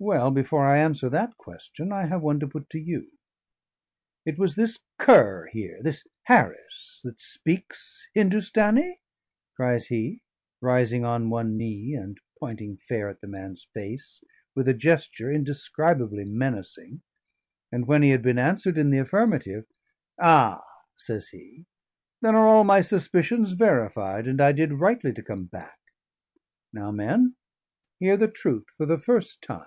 Well, before I answer that question, I have one to put to you. It was this cur here, this Harris, that speaks Hindustani?" cries he, rising on one knee and pointing fair at the man's face, with a gesture indescribably menacing; and when he had been answered in the affirmative, "Ah!" says he, "then are all my suspicions verified, and I did rightly to come back. Now, men, hear the truth for the first time."